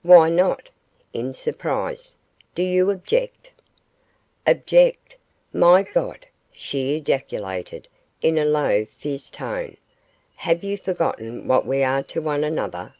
'Why not?' in surprise; 'do you object?' 'Object? my God!' she ejaculated, in a low fierce tone; 'have you forgotten what we are to one another?